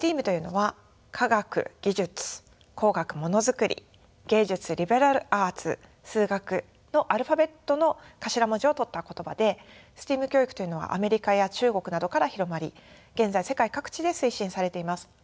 ＳＴＥＡＭというのは科学技術工学ものづくり芸術・リベラルアーツ数学のアルファベットの頭文字をとった言葉でＳＴＥＡＭ教育というのはアメリカや中国などから広まり現在世界各地で推進されています。